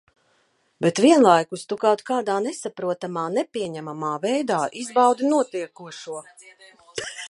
Bet vienlaikus tu kaut kādā nesaprotamā, nepieņemamā veidā izbaudi notiekošo.